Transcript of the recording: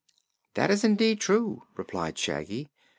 "That is indeed true," replied Shaggy.